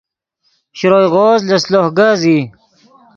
شروئے غوز لس لوہ کز ای